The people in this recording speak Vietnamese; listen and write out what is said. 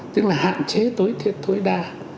tức là hạn chế tối đa